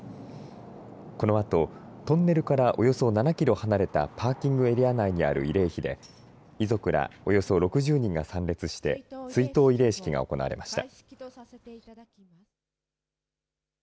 このあとトンネルからおよそ７キロ離れたパーキングエリア内にある慰霊碑で遺族らおよそ６０人が参列して追悼慰霊式が行われました。